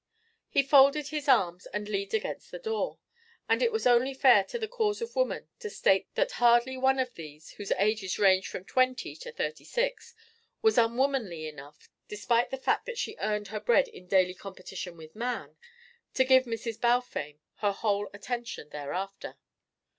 He folded his arms and leaned against the door, and it is only fair to the cause of woman to state that hardly one of these, whose ages ranged from twenty to thirty six, was unwomanly enough, despite the fact that she earned her bread in daily competition with man, to give Mrs. Balfame her whole attention thereafter.